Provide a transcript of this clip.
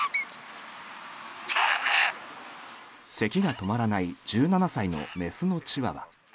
せきが止まらない１７歳の雌のチワワ。